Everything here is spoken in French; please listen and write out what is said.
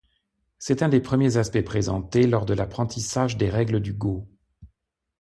C'est un des premiers aspects présentés lors de l'apprentissage des règles du go.